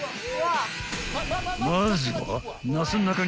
［まずは］